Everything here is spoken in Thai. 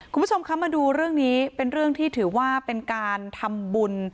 คุณผู้ชมคะมาดูเรื่องนี้เป็นเรื่องที่ถือว่าเป็นการทำบุญ